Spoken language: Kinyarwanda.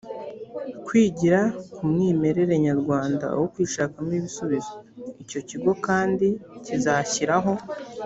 kwigira ku mwimerere nyarwanda wo kwishakamo ibisubizo icyo kigo kandi kizashyiraho